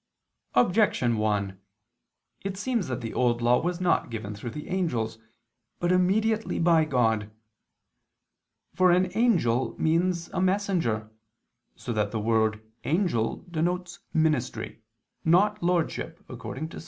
Objection 1: It seems that the Old Law was not given through the angels, but immediately by God. For an angel means a "messenger"; so that the word "angel" denotes ministry, not lordship, according to Ps.